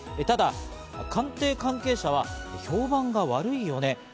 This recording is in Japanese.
ただ官邸関係者は評判が悪いよね。